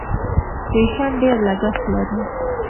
فیشن ډېر لګښت لري.